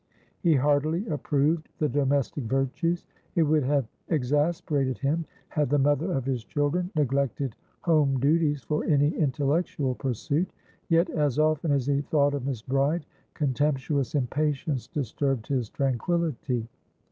He heartily approved the domestic virtues; it would have exasperated him had the mother of his children neglected home duties for any intellectual pursuit; yet, as often as he thought of Miss Bride, contemptuous impatience disturbed his tranquillity.